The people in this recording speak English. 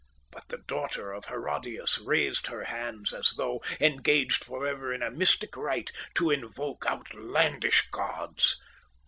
But the daughter of Herodias raised her hands as though, engaged for ever in a mystic rite, to invoke outlandish gods.